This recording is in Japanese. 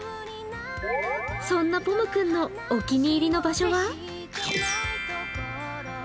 そんなぽむ君のお気に入りの場所は？